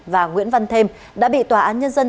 và nguyễn văn thêm đã bị tòa án nhân dân